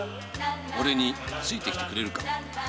俺についてきてくれるかい？